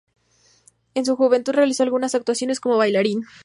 En su juventud realizó algunas actuaciones como bailarín.